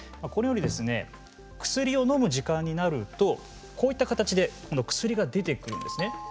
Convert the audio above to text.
このようにですね薬をのむ時間になるとこういった形で薬が出てくるんですね。